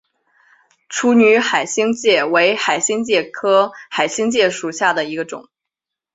处女海星介为海星介科海星介属下的一个种。